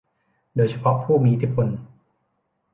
โดยเฉพาะผู้มีอิทธิพล